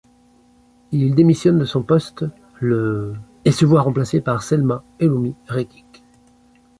Il démissionne de son poste le et se voit remplacé par Selma Elloumi Rekik.